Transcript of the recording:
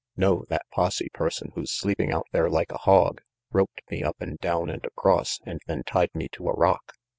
No, that posse person who's sleeping out there like a hog, roped me up and down and across and then tied me to a rock.